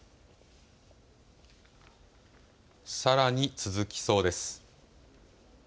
さらに続きそうです。